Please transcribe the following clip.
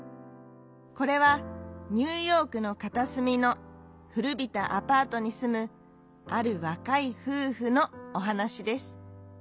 これはニューヨークのかたすみのふるびたアパートにすむあるわかいふうふのおはなしです。